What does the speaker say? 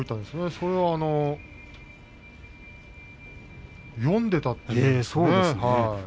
それを読んでいたというか。